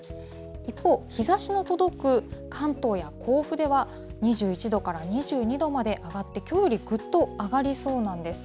一方、日ざしの届く関東や甲府では２１度から２２度まで上がって、きょうよりぐっと上がりそうなんです。